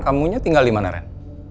kamu tinggal dimana ren